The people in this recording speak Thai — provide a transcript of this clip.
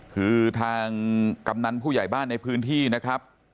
คือทางกำนันผู้ใหญ่บ้านในพื้นที่นะครับ